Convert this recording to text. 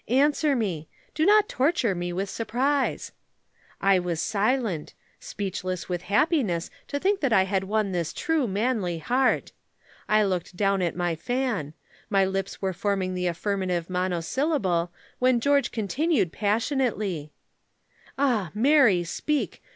Answer me. Do not torture me with suspense.' I was silent; speechless with happiness to think that I had won this true manly heart. I looked down at my fan. My lips were forming the affirmative monosyllable, when George continued passionately, "'Ah, Mary, speak!